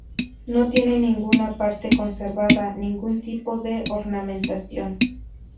No tiene ninguna parte conservada ningún tipo de ornamentación.